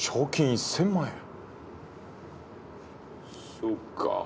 そうか。